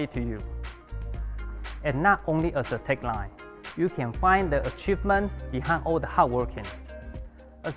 dan bukan hanya sebagai tagline anda dapat menemukan pencapaian di belakang semua kerja keras